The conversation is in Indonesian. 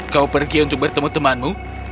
kau pergi untuk bertemu temanmu